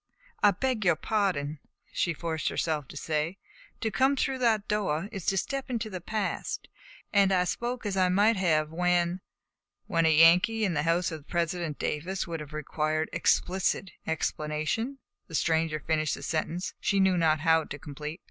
"I beg your pardon," she forced herself to say. "To come through that door is to step into the past, and I spoke as I might have when " "When a Yankee in the house of President Davis would have required explicit explanation," the stranger finished the sentence she knew not how to complete.